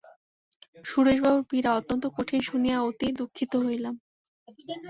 সুরেশবাবুর পীড়া অত্যন্ত কঠিন শুনিয়া অতি দুঃখিত হইলাম।